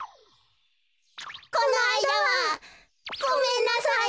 このあいだはごめんなさい。